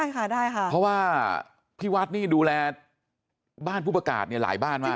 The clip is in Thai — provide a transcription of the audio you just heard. ใช่ค่ะได้ค่ะเพราะว่าพี่วัดนี่ดูแลบ้านผู้ประกาศเนี่ยหลายบ้านมาก